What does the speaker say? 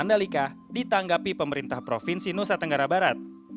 pertama kali di kawasan mandalika ditanggapi pemerintah provinsi nusa tenggara barat